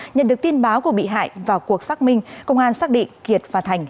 nhận được tin báo của bị hại vào cuộc xác minh công an xác định kiệt và thành